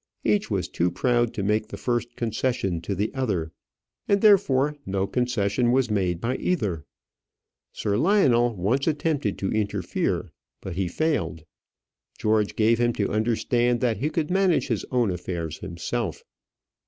Each was too proud to make the first concession to the other, and therefore no concession was made by either. Sir Lionel once attempted to interfere; but he failed. George gave him to understand that he could manage his own affairs himself.